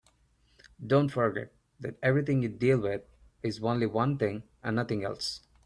Don't forget that everything you deal with is only one thing and nothing else.